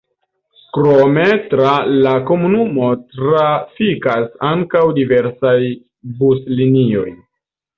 Krome tra la komunumo trafikas ankaŭ diversaj buslinioj.